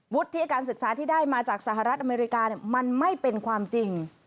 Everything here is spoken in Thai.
ที่การศึกษาที่ได้มาจากสหรัฐอเมริกามันไม่เป็นความจริง